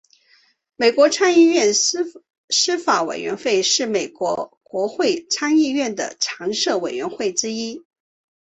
美国参议院司法委员会是美国国会参议院的常设委员会之一。